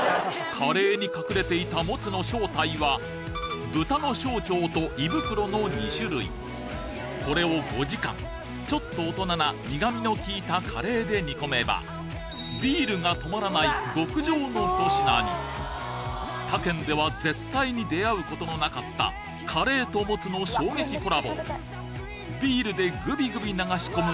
カレーに隠れていたモツの正体は豚の小腸と胃袋の２種類これを５時間ちょっと大人な苦味の効いたカレーで煮込めばビールが止まらない極上のひと品に他県では絶対に出合うことのなかったカレーとモツの衝撃コラボビールでぐびぐび流し込む